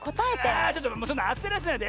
あちょっとそんなあせらせないで！